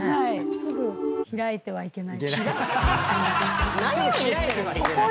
すぐ開いてはいけない。